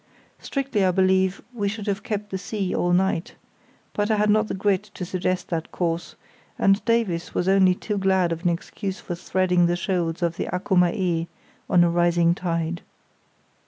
Strictly, I believe, we should have kept the sea all night; but I had not the grit to suggest that course, and Davies was only too glad of an excuse for threading the shoals of the Accumer Ee on a rising tide.